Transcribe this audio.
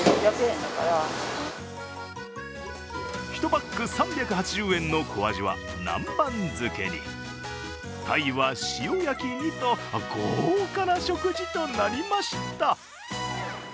１パック３８０円の小アジは南蛮漬けに、タイは塩焼きにと、豪華な食事となりました。